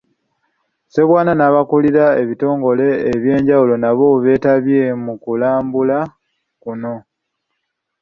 Ssebwana n'abakulira ebitongole ebyenjawulo nabo beetabye mu kulambula kuno.